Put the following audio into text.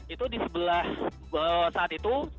itu di sebelah saat itu